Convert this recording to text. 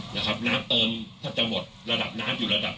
น้ำเติมจะหมดระดับน้ำอยู่ระดับ